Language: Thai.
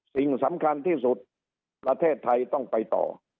สิ่งสำคัญที่สุดประเทศไทยต้องไปต่อ